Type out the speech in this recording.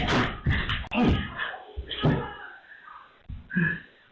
ปุ๊บ